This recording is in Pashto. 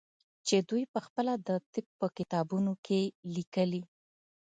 چې دوى پخپله د طب په کتابونو کښې ليکلي.